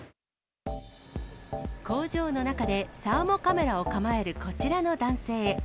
工場の中でサーモカメラを構えるこちらの男性。